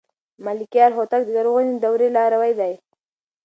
ملکیار هوتک د لرغونې دورې لاروی دی.